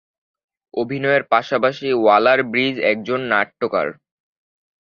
অভিনয়ের পাশাপাশি ওয়ালার-ব্রিজ একজন নাট্যকার।